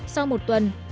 sau một tuần